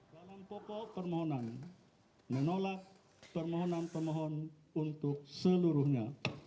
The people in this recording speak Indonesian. dalam pokok permohonan menolak permohonan pemohon untuk seluruhnya